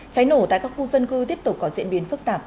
cháy nổ tại các khu dân cư tiếp tục có diễn biến phức tạp